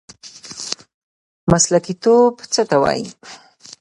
مسلکي توب څه ته وایي؟